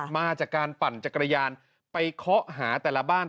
มาจากการปั่นจักรยานไปเคาะหาแต่ละบ้าน